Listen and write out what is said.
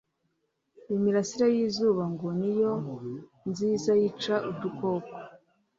Imirasire y'izuba ngo niyo nziza yica udukoko.